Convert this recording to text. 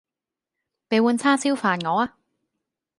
比碗叉燒飯我呀